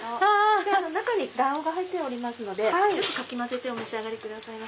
中に卵黄が入っておりますのでかき混ぜてお召し上がりください。